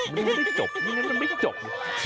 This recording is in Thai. มันยังไม่จบมันยังไม่จบ